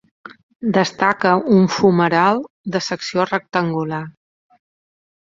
Destaca un fumeral de secció rectangular.